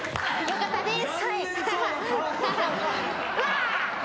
よかったです。